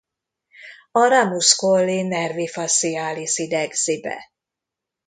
A ramus colli nervi facialis idegzi be.